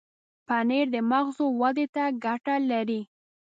پنېر د مغزو ودې ته ګټه لري.